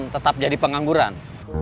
tetap jadi pengangguran